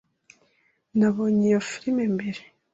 Nabonye iyo firime mbere.